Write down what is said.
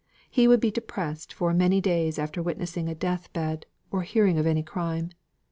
He would be depressed for many days after witnessing a death bed, or hearing of any crime.